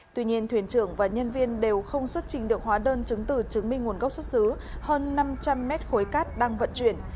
tuy nhiên thuyền trưởng và nhân viên đều không xuất trình được hóa đơn chứng từ chứng minh nguồn gốc xuất xứ hơn năm trăm linh mét khối cát đang vận chuyển